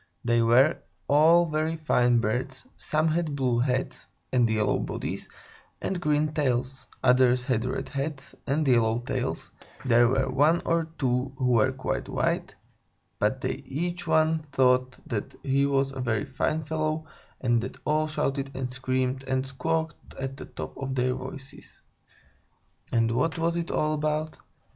They were all very fine birds; some had blue heads and yellow bodies and green tails; others had red heads and yellow tails; there were one or two who were quite white, but they each one thought that he was a very fine fellow, and they all shouted and screamed and squawked at the top of their voices. And what was it all about?